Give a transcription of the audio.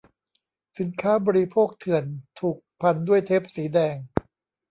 สินค้าบริโภคเถื่อน ถูกพันด้วยเทปสีแดง